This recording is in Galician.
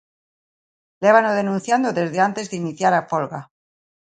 Lévano denunciando desde antes de iniciar a folga.